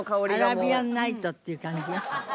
アラビアンナイトっていう感じ。